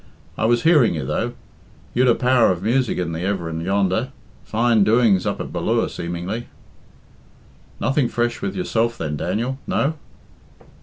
I was hearing you, though. You'd a power of music in the everin' yonder. Fine doings up at Ballure, seemingly." "Nothing fresh with yourself then, Daniel? No?"